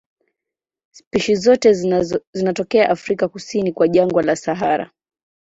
Spishi zote zinatokea Afrika kusini kwa jangwa la Sahara.